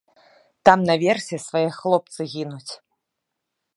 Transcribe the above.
Там наверсе свае хлопцы гінуць!